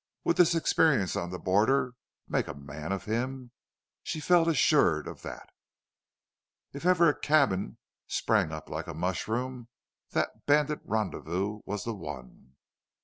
Would this experience on the border make a man of him? She felt assured of that. If ever a cabin sprang up like a mushroom, that bandit rendezvous was the one.